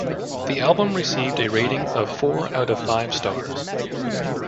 The album received a rating of four out of five stars.